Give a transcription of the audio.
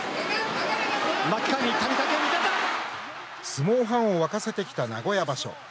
相撲ファンを沸かせてきた名古屋場所。